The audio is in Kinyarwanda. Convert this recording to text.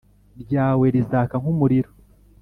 ryawe rizaka nk umuriro